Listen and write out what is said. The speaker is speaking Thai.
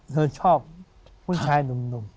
เธอชอบผู้ชายหนุ่ม